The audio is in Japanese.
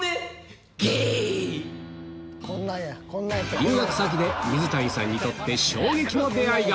留学先で水谷さんにとって衝撃の出合いが！